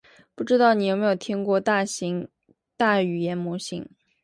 不知道你有没有听过大语言模型？